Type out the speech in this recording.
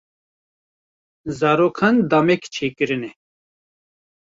Zarokan damek çêkirine.